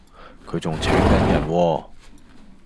佢仲請緊人喎